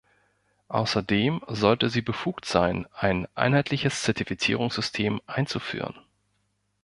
Außerdem sollte sie befugt sein, ein einheitliches Zertifizierungssystem einzuführen.